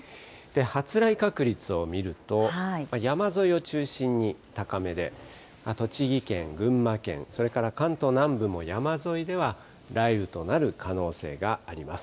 発雷確率を見ると、山沿いを中心に高めで、栃木県、群馬県、それから関東南部も山沿いでは雷雨となる可能性があります。